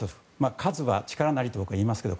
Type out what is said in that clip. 数は力なりと言いますけど。